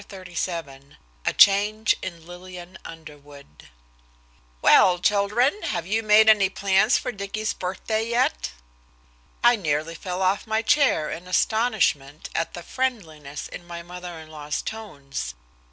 And yet XXXVII A CHANGE IN LILLIAN UNDERWOOD "Well, children, have you made any plans for Dicky's birthday yet?" I nearly fell off my chair in astonishment at the friendliness in my mother in law's tones.